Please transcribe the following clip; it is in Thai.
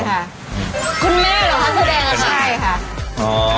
คุณแม่หรอท่านแสดง